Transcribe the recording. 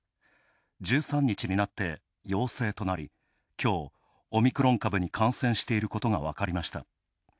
１３日になって陽性となり、きょう、オミクロン株に感染していることが分かりました。